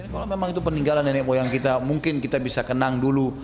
kalau memang itu peninggalan nenek moyang kita mungkin kita bisa kenang dulu